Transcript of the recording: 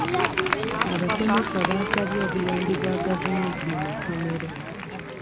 Abasomesa baasabye obuyambi bwa gavumenti mu masomero.